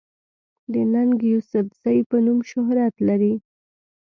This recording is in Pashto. د “ ننګ يوسفزۍ” پۀ نوم شهرت لري